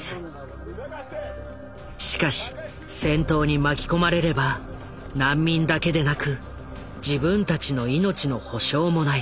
しかし戦闘に巻き込まれれば難民だけでなく自分たちの命の保証もない。